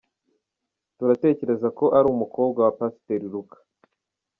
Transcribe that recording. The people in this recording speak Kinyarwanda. Turatekereza ko ari umukobwa wa Pasiteri Luka .